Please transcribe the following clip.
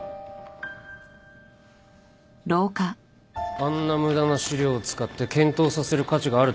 あんな無駄な資料を使って検討させる価値があるとは思えません。